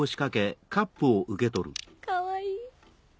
かわいい！